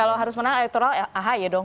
kalau harus menang elektoral ya aha ya dong